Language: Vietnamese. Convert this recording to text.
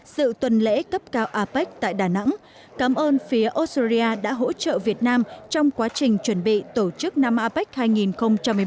sự tuần lễ cấp cao apec tại đà nẵng cảm ơn phía australia đã hỗ trợ việt nam trong quá trình chuẩn bị tổ chức năm apec hai nghìn một mươi bốn